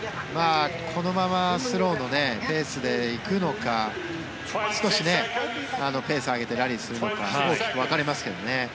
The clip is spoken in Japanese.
このままスローのペースで行くのか少しペースを上げてラリーをするのか大きく分かれますけどね。